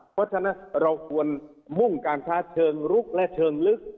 เพราะฉะนั้นเราควรมุ่งการค้าเชิงลุกและเชิงลึก